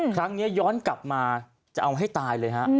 ครั้งนี้ย้อนกลับมาจะเอาให้ตายเลยครับ